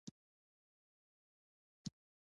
نرسې وویل: دا پلاوا بیا په کوم ښار کې ده؟